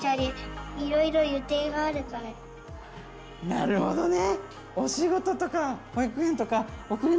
なるほどね。